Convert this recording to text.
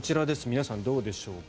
皆さんどうでしょうか。